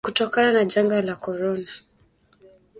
kutokana na janga la Korona